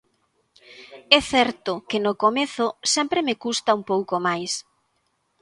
É certo que no comezo sempre me custa un pouco máis.